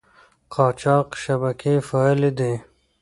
قاچاق شبکې فعالې دي.